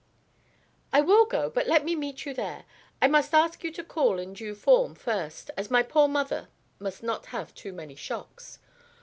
"I will go; but let me meet you there. I must ask you to call in due form first, as my poor mother must not have too many shocks.